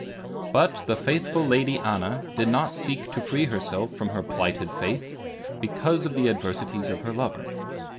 But the faithful Lady Anna did not seek to free herself from her plighted faith, because of the adversities of her lover.